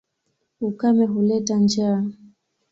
Ukame huleta njaa.